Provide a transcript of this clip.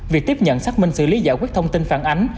việc tiếp nhận xác minh xử lý giải quyết thông tin phản ánh